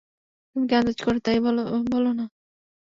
তুমি কি আন্দাজ কর, তাই বল না!